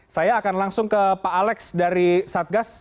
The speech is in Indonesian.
saya akan langsung ke pak alex dari satgas